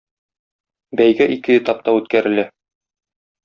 Бәйге ике этапта үткәрелә.